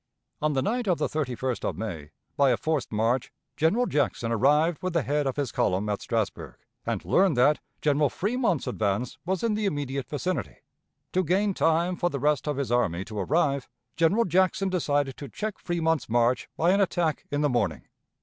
On the night of the 31st of May, by a forced march, General Jackson arrived with the head of his column at Strasburg, and learned that General Fremont's advance was in the immediate vicinity. To gain time for the rest of his army to arrive, General Jackson decided to check Fremont's march by an attack in the morning.